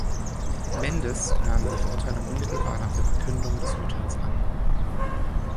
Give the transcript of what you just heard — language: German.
Mendes nahm die Verurteilung unmittelbar nach der Verkündigung des Urteils an.